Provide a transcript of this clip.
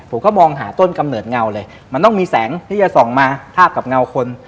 ผมก็มองหาต้นกำเนิดเงาเลยมันต้องมีแสงที่จะส่องมาทาบกับเงาคน